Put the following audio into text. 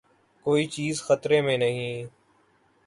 کوئی چیز خطرے میں نہیں۔